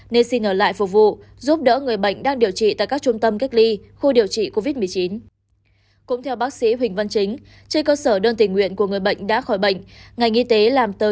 nên xin ở lại phục vụ giúp đỡ người bệnh đang điều trị tại các trung tâm